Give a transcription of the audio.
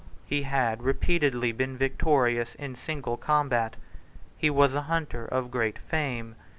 He had repeatedly been victorious in single combat. He was a hunter of great fame.